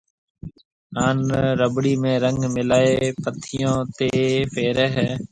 ھان رٻڙِي ۾ رنگ ملائيَ ڀينتون تيَ ڦيرَي ھيََََ